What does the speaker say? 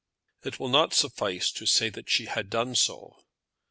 It will not suffice to say that she had done so.